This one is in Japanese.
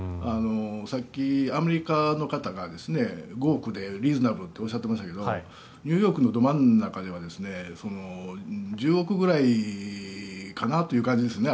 さっきアメリカの方が５億円でリーズナブルっておっしゃっていましたけどニューヨークのど真ん中では１０億ぐらいかなという感じですね